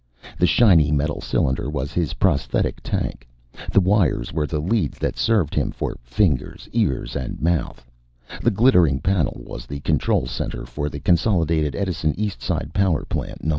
The shiny metal cylinder was his prosthetic tank; the wires were the leads that served him for fingers, ears and mouth; the glittering panel was the control center for the Consolidated Edison Eastside Power Plant No.